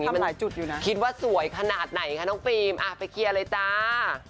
มันหลายจุดอยู่นะคิดว่าสวยขนาดไหนคะน้องฟิล์มไปเคลียร์เลยจ้า